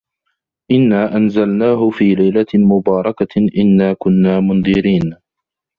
إِنّا أَنزَلناهُ في لَيلَةٍ مُبارَكَةٍ إِنّا كُنّا مُنذِرينَ